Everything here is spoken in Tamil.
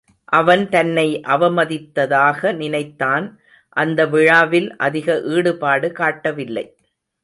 அவன் தன்னை அவமதித்ததாக நினைத்தான் அந்த விழாவில் அதிக ஈடுபாடு காட்டவில்லை.